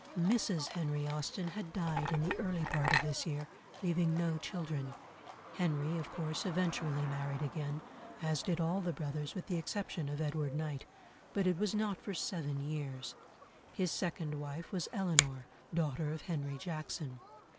Mrs. Henry Austen had died in the early part of this year, leaving no children. Henry, of course, eventually married again, as did all the brothers with the exception of Edward Knight, but it was not for seven years; his second wife was Eleanor, daughter of Henry Jackson.